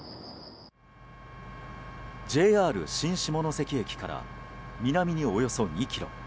ＪＲ新下関駅から南におよそ２ｋｍ。